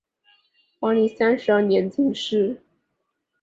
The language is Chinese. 万历三十二年进士。